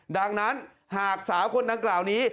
ดังนั้นหากสาวคนดังกล่าวนี้